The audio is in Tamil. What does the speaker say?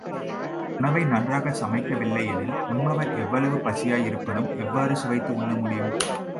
உணவை நன்றாகச் சமைக்கவில்லையெனில், உண்பவர் எவ்வளவு பசியாயிருப்பினும் எவ்வாறு சுவைத்து உண்ண முடியும்?